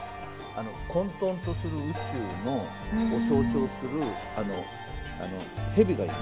あの混とんとする宇宙を象徴する蛇がいる。